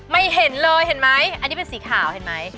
ไม่เห็นเลยเห็นไหมอันนี้เป็นสีขาวเห็นไหม